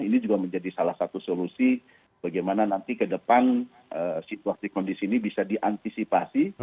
ini juga menjadi salah satu solusi bagaimana nanti ke depan situasi kondisi ini bisa diantisipasi